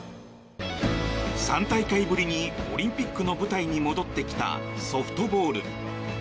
３大会ぶりにオリンピックの舞台に戻ってきたソフトボール。